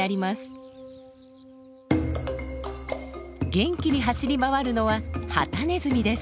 元気に走り回るのはハタネズミです。